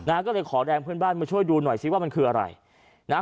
นะฮะก็เลยขอแรงเพื่อนบ้านมาช่วยดูหน่อยซิว่ามันคืออะไรนะฮะ